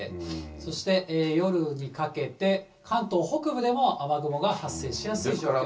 そして夜にかけて、関東北部でも雨雲が発生しやすくなっています。